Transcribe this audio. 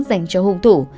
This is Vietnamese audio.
dành cho hung thủ